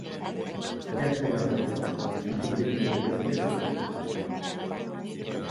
Ea zelan joaten den, baina oso pelikula berezia geratu da.